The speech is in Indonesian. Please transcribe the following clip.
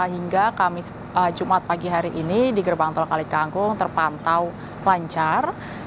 hingga kamis jumat pagi hari ini di gerbang tol kalikangkung terpantau lancar